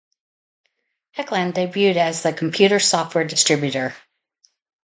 Techland debuted as a computer software distributor.